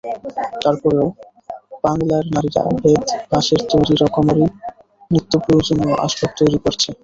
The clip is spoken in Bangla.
তারপরেও বাংলার নারীরা বেত, বাঁশের তৈরি রকমারি নিত্যপ্রয়োজনীয় আসবাব তৈরি করছে।